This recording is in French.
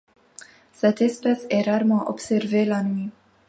Cette espèce est rarement observée la nuit.